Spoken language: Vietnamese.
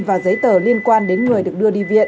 và giấy tờ liên quan đến người được đưa đi viện